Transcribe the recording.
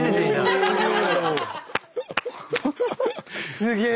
すげえ。